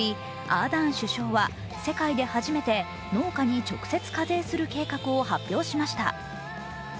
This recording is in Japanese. アーダーン首相は世界で初めて農家に直接課税する計画を発表しました。